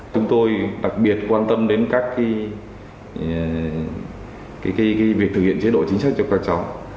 chúng tôi đặc biệt quan tâm đến các cái việc thực hiện chế độ chính xác cho các cháu